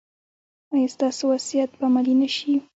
ایا ستاسو وصیت به عملي نه شي؟